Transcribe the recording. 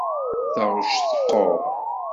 Taɣect teqquṛ.